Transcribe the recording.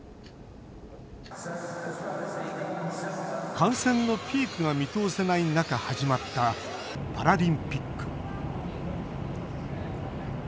感染のピークが見通せない中始まった、パラリンピック。